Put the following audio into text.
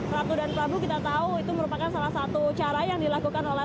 ratu dan prabu kita tahu itu merupakan salah satu cara yang dilakukan oleh